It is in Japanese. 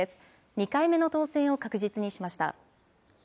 ２回目の当選を確実にしました。